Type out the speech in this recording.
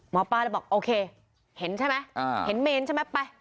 หมอปลาเลยบอกโอเคเห็นใช่ไหมเห็นเมนใช่ไหมไป